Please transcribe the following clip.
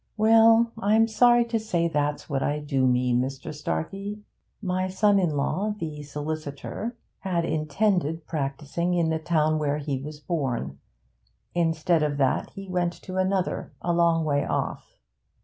'Well, I'm sorry to say that's what I do mean, Mr. Starkey. My son in law the solicitor had intended practising in the town where he was born; instead of that he went to another a long way off.